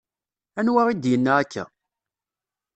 Anwa i d-yenna akka?